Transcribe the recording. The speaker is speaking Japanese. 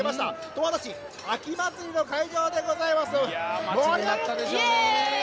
十和田市秋まつりの会場でございます。